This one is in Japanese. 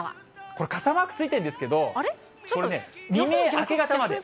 これ、傘マークついてるんですけど、これね未明、明け方まで。